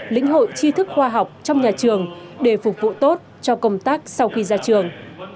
lĩnh hội chi thức khoa học trong nhà trường để phục vụ tốt cho công tác sau khi ra trường